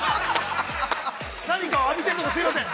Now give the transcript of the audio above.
◆何か浴びているのか、すみません。